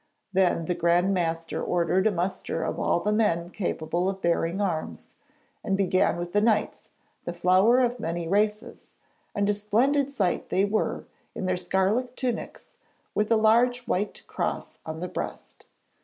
Then the Grand Master ordered a muster of all the men capable of bearing arms, and began with the Knights, the flower of many races; and a splendid sight they were, in their scarlet tunics with a large white cross on the breast.